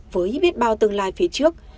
với biết bao tương lai phía trước